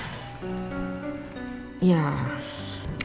kalau ibu kandung itu kan berarti tante